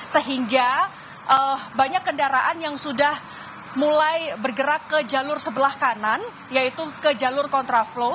sehingga banyak kendaraan yang sudah mulai bergerak ke jalur sebelah kanan yaitu ke jalur kontraflow